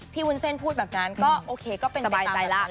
พี่วุ้นเส้นพูดแบบนั้นก็โอเคก็เป็นแบบตามแบบนั้นแล้ว